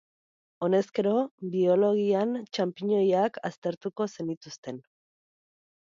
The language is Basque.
Honezkero, biologian txanpiñoiak aztertuko zenituzten.